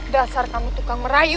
dasar kamu tukang merayu